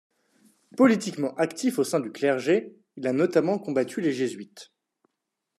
Politiquement actif au sein du clergé, il a notamment combattu les jésuites.